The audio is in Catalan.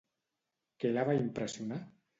Què la va impressionar?